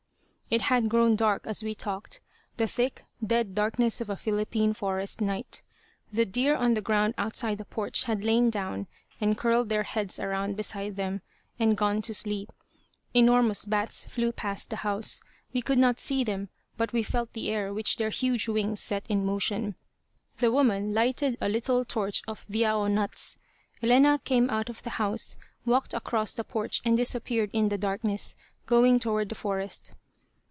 It had grown dark as we talked; the thick, dead darkness of a Philippine forest night. The deer on the ground outside the porch had lain down and curled their heads around beside them and gone to sleep. Enormous bats flew past the house. We could not see them, but we felt the air which their huge wings set in motion. The woman lighted a little torch of "viao" nuts. Elena came out of the house, walked across the porch and disappeared in the darkness, going toward the forest.